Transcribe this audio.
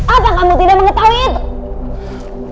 apa kamu tidak mengetahui itu